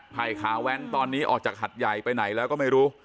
ไผ่ขาแว้นตอนนี้ออกจากหัดใหญ่ไปไหนแล้วก็ไม่รู้